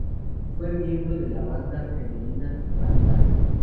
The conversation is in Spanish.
Fue miembro de la banda femenina Bandana.